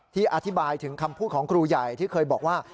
อธิบายถึงคำพูดของครูใหญ่ที่เคยบอกว่า